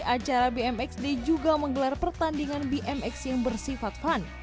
acara bmx day juga menggelar pertandingan bmx yang bersifat fun